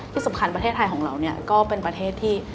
ที่สำคัญประเทศไทยของเราเนี่ยก็เป็นประเทศที่